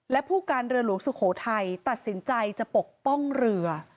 และผู้การเรือหลวงสุโขทัยตัดสินใจจะปกป้องเรือ